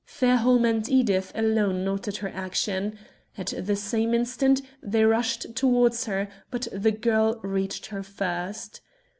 Fairholme and Edith alone noted her action. At the same instant they rushed towards her, but the girl reached her first.